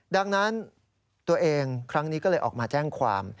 ดังนั้นตัวเองครั้งนี้ก็เลยออกมาแจ้งความ